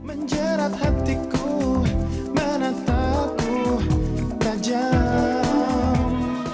menjerat hatiku menantaku tajam